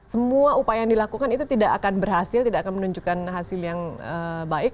semua upaya yang dilakukan itu tidak akan berhasil tidak akan menunjukkan hasil yang baik